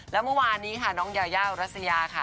แล้วเมื่อวานนี้ค่ะน้องยายารัสยาค่ะ